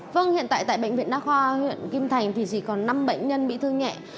vâng hiện tại tại bệnh viện đa khoa huyện kim thành thì chỉ còn năm bệnh nhân bị thương nhẹ